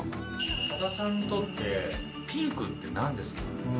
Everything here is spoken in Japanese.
多田さんにとってピンクってなんですか？